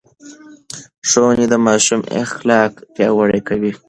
ښوونې د ماشوم اخلاق پياوړي کوي.